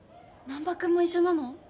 難破君も一緒なの？